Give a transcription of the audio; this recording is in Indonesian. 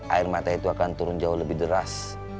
air mata itu akan turun jauh lebih deras